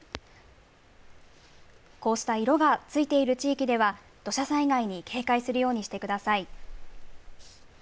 こうした、色がついている地域では、土砂災害に警戒するようにしてください。